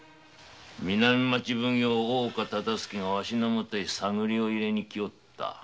南町奉行の大岡がわしの許へも探りを入れにきおった。